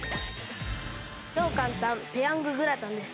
超簡単ペヤンググラタンです。